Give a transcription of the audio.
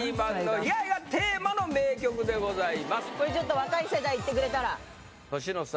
これちょっと若い世代いってくれたら年の差！